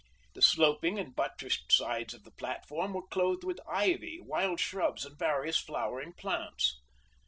The sloping and buttressed sides of the platform were clothed with ivy, wild shrubs, and various flowering plants.